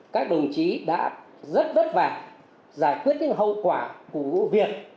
các đồng chí đã rất vất vả giải quyết những hậu quả của vụ việc